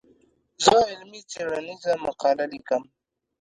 زه علمي څېړنيزه مقاله ليکم.